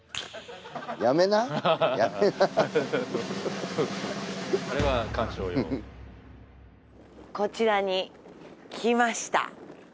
やめなやめなあれは観賞用こちらに来ました